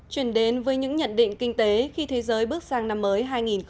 chuyển đến với những nhận định kinh tế khi thế giới bước sang năm mới hai nghìn hai mươi